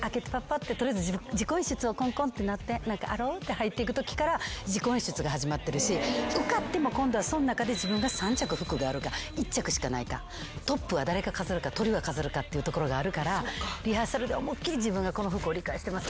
取りあえずコンコンってなって「アロー」って入っていくときから自己演出が始まってるし受かっても今度はその中で自分が３着服があるか１着しかないかトップは誰が飾るかトリは飾るかっていうところがあるからリハーサルで思いっ切り自分がこの服を理解してます